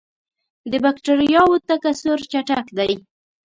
د بکټریاوو تکثر چټک دی.